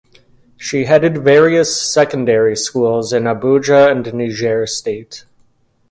She headed various secondary schools in Abuja and Niger state.